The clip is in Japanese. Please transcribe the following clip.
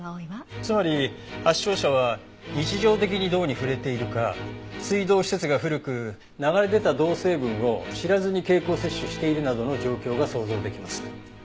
つまり発症者は日常的に銅に触れているか水道施設が古く流れ出た銅成分を知らずに経口摂取しているなどの状況が想像できます。